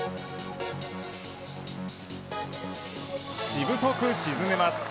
しぶとく沈めます。